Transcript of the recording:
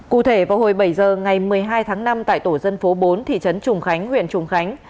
cụ thể vào hồi bảy giờ ngày một mươi hai tháng năm tại tổ dân phố bốn thị trấn trùng khánh huyện trùng khánh